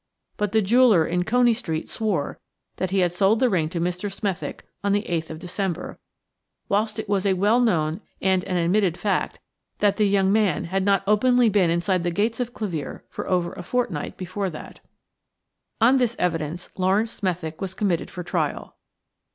But the jeweller in Coney Street swore that he had sold the ring to Mr. Smethick on the 8th of December, whilst it was a well known and an admitted fact that the young man had not openly been inside the gates of Clevere for over a fortnight before that. On this evidence Laurence Smethick was committed for trial.